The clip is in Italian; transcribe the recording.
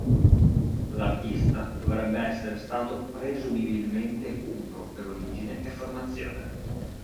L'artista dovrebbe essere stato presumibilmente umbro per origine e formazione.